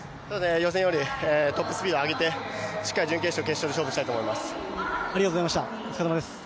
予選よりトップスピード上げてしっかり準決勝、決勝と勝負したいと思います。